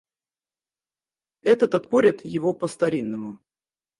Этот отпорет его по старинному.